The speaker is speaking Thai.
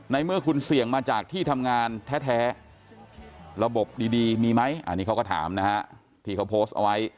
ในเมื่อคุณเสี่ยงมาจากที่ทำงานแท้ระบบดีมีไหมอันนี้เขาก็ถามนะฮะที่เขาโพสต์เอาไว้